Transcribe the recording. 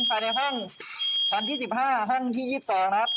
ฝายในห้องทั้งที่สิบห้าห้องที่ยีบสองนะครับ